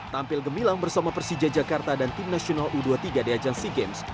tampil gemilang bersama persija jakarta dan tim nasional u dua puluh tiga di ajang sea games